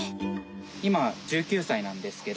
今１９歳なんですけれど。